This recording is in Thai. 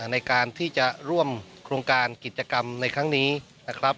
ในการที่จะร่วมโครงการกิจกรรมในครั้งนี้นะครับ